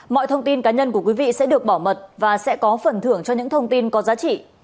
mọi thông tin cá nhân của quý vị sẽ được bảo mật và sẽ có phần thưởng cho những thông tin có giá trị